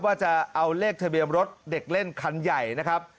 ว่าจะเอาเลขทะเบียนรถเด็กเล่นคันใหญ่นะครับ